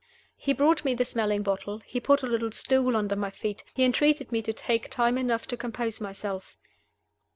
He brought me the smelling bottle; he put a little stool under my feet; he entreated me to take time enough to compose myself.